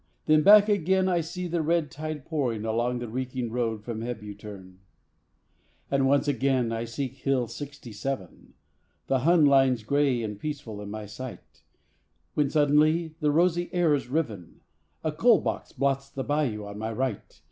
... Then back again I see the red tide pouring, Along the reeking road from Hebuterne. And once again I seek Hill Sixty Seven, The Hun lines grey and peaceful in my sight; When suddenly the rosy air is riven A "coal box" blots the "boyou" on my right.